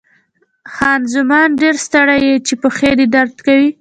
خان زمان: ډېر ستړی یې، چې پښې دې درد کوي؟